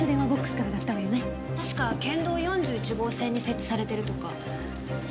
確か県道４１号線に設置されてるとか。